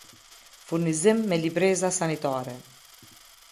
Furnizim me libreza sanitare